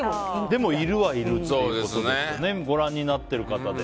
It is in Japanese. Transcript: でも、いるはいるということでご覧になっている方で。